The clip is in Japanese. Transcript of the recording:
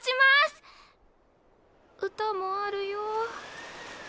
歌もあるよ。